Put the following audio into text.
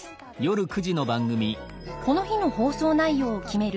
この日の放送内容を決める